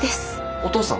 お父さん。